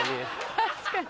確かに。